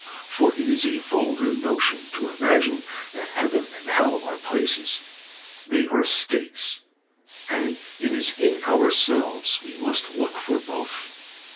For it is a vulgar notion to imagine that heaven and hell are places; they are states; and it is in ourselves we must look for both.